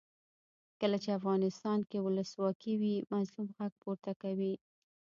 کله چې افغانستان کې ولسواکي وي مظلوم غږ پورته کوي.